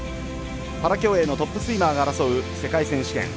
パラ競泳のトップスイマーが争う世界選手権。